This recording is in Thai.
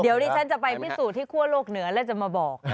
เดี๋ยวดิฉันจะไปพิสูจน์ที่คั่วโลกเหนือแล้วจะมาบอก